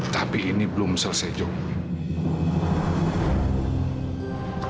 tapi ini belum selesai jokowi